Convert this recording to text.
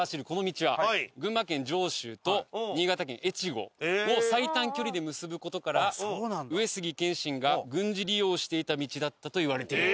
群馬県上州と新潟県越後を最短距離で結ぶ事から上杉謙信が軍事利用していた道だったといわれている。